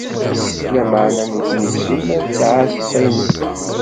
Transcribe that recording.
Lameɛna nutni simmal ttɛaṣin-t.